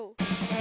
え！